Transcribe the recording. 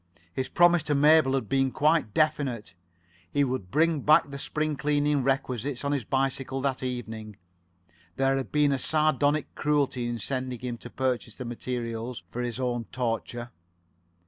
His promise to Mabel had been quite definite. He would bring back the spring cleaning requisites on his bicycle that evening. There had been a sardonic cruelty in sending him to purchase the materials for his own torture.